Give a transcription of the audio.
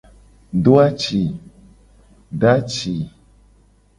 Do aci.